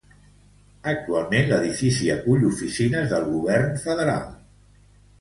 Actualment l'edifici acull oficines del govern federal.